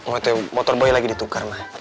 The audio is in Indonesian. waktu itu motor boy lagi ditukar ma